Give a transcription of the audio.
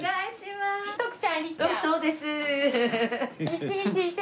そうです。